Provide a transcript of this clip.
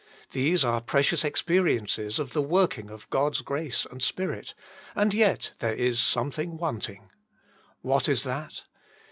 These are precious experiences of the working of God's grace and Spirit, and yet there is something wanting. What is that?